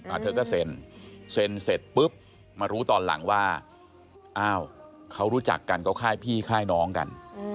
เธอก็เซ็นเซ็นเสร็จปุ๊บมารู้ตอนหลังว่าอ้าวเขารู้จักกันเขาค่ายพี่ค่ายน้องกัน